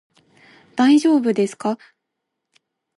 大丈夫ですか？